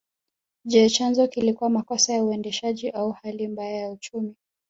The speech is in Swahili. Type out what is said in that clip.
Je chanzo kilikuwa makosa ya uendeshaji au hali mbaya ya uchumi